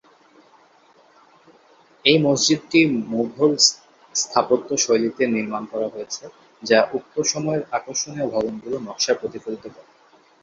এই মসজিদটি মুঘল স্থাপত্য শৈলীতে নির্মাণ করা হয়েছে, যা উক্ত সময়ের আকর্ষণীয় ভবনগুলো নকশা প্রতিফলিত করে।